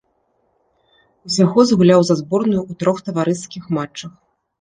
Усяго згуляў за зборную ў трох таварыскіх матчах.